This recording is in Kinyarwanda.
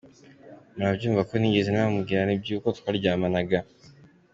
Murabyumva ko ntigeze namubwira iby’uko twaryamanaga.